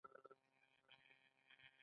آیا د امریکا سره د لرګیو جنجال نشته؟